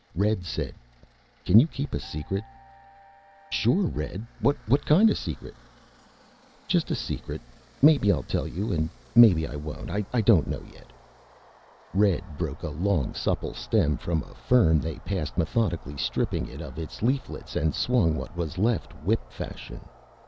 Red said, "Can you keep a secret?" "Sure, Red. What kind of a secret?" "Just a secret. Maybe I'll tell you and maybe I won't. I don't know yet." Red broke a long, supple stem from a fern they passed, methodically stripped it of its leaflets and swung what was left whip fashion.